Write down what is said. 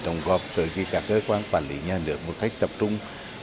đồng góp tới các cơ quan quản lý nhà nước một cách tập trung